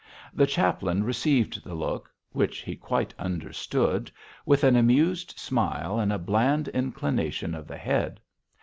The chaplain received the look which he quite understood with an amused smile and a bland inclination of the head.